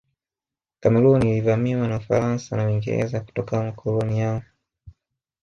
Kameruni ilivamiwa na Ufaransa na Uingereza kutoka makoloni yao